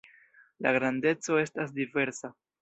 La grandeco estas diversa.